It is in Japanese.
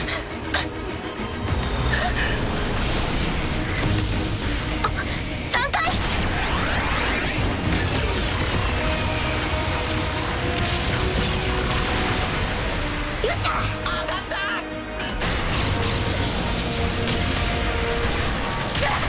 あっ！